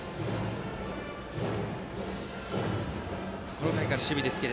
この回からの守備ですが。